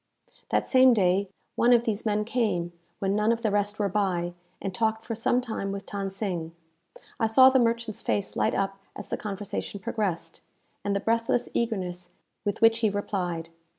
That same day, one of these men came, when none of the rest were by, and talked for some time with Than Sing. I saw the merchant's face light up as the conversation progressed, and the breathless eagerness with which he replied.